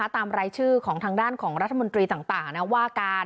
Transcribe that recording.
ตามรายชื่อของทางด้านของรัฐมนตรีต่างว่าการ